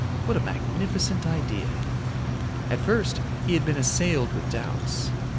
What a magnificent idea! At first he had been assailed with doubts.